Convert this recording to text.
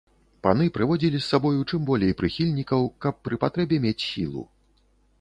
Паны прыводзілі з сабою чым болей прыхільнікаў, каб пры патрэбе мець сілу.